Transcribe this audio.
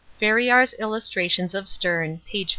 —Ferriar's Illustrations of Sterne, p.